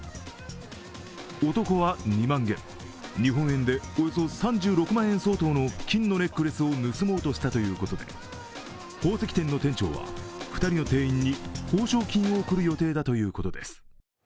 男は２万元、日本円でおよそ３６万円相当の金のネックレスを盗もうとしたということで宝石店の店長は、２人の店員に報奨金を贈る予定だということです。